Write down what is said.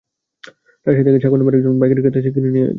রাজশাহী থেকে সাগর নামের একজন পাইকারি ক্রেতা এসে পাখি কিনে নিয়ে যান।